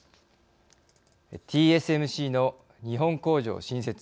ＴＳＭＣの日本工場新設。